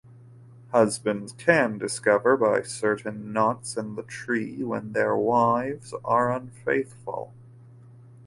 Husbands can discover, by certain knots in the tree, when their wives are unfaithful.